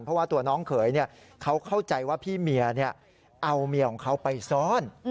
เพราะว่าตัวน้องเขยเขาเข้าใจว่าพี่เมียเอาเมียของเขาไปซ่อน